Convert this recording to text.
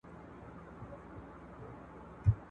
لمبو ته یې سپارلی بدخشان دی که کابل دی !.